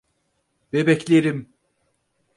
Bebeklerim!